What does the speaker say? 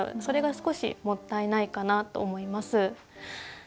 それが少しもったいないかなと思います。